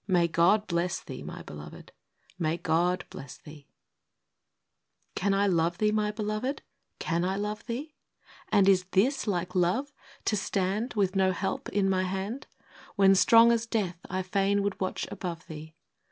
— May God bless thee, my beloved — may God bless thee! A VALEDICTION. 55 Can I love thee, my beloved, — can I love thee? 'And is this like love, to stand With no help in my hand. When strong as death I fain would watch above thee